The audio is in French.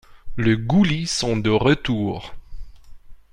Les Ghoulies sont de retour.